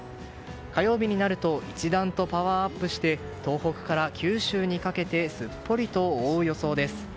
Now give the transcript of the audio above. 火曜日になると一段とパワーアップして東北から九州にかけてすっぽりと覆う予想です。